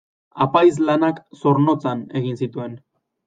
Apaiz lanak Zornotzan egin zituen.